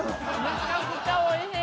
めちゃくちゃおいしい。